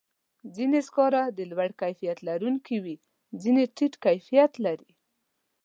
ځینې سکاره د لوړ کیفیت لرونکي وي، ځینې ټیټ کیفیت لري.